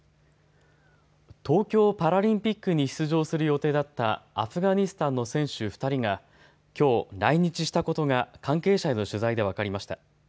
東京パラリンピックに出場する予定だったアフガニスタンの選手２人がきょう来日したことが関係者への取材で分かりました。